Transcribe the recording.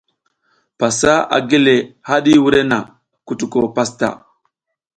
Pasa a gi haɗi wurenna, kutuko pasta.